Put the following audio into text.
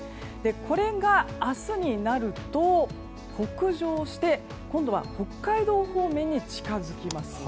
これが明日になると北上して今度は北海道方面に近づきます。